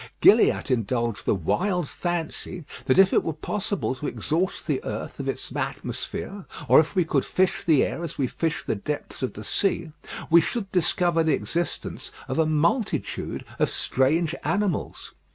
Gilliatt indulged the wild fancy that if it were possible to exhaust the earth of its atmosphere, or if we could fish the air as we fish the depths of the sea, we should discover the existence of a multitude of strange animals.